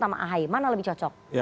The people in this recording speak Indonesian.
nama ahi mana lebih cocok